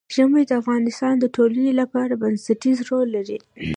ژمی د افغانستان د ټولنې لپاره بنسټيز رول لري.